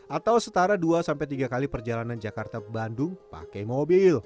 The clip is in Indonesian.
atau setara dua tiga kali perjalanan jakarta bandung pakai mobil